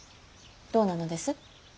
どうなのです。